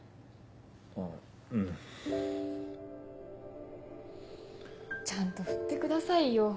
あぁうん。ちゃんと振ってくださいよ。